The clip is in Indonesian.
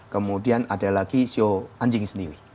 kemudian ada lagi sio anjing sendiri